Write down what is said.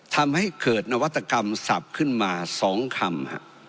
ทำให้เกิดนวัตกรรมสับขึ้นมา๒คำ